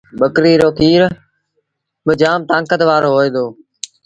ٻڪريٚ رو کير با جآم تآݩڪت وآرو هوئي دو۔